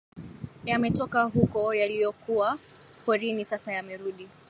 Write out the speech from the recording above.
yametoka huko yalikokuwa porini sasa yamerudi